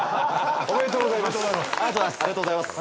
ありがとうございます。